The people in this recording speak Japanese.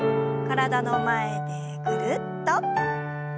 体の前でぐるっと。